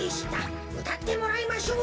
うたってもらいましょう。